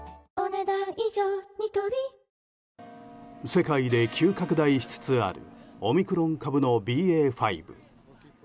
世界で急拡大しつつあるオミクロン株のＢＡ．５。